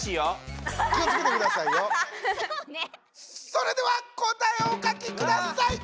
それでは答えをお書きください！